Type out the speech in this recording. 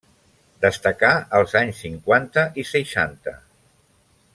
Destacà als anys cinquanta i seixanta.